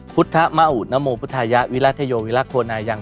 พุทธะมะอุทนมโมพุทธายะวิราธโยวิรากรณายัง